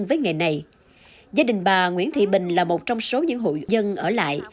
với nghề này gia đình bà nguyễn thị bình là một trong số những hội dân ở lại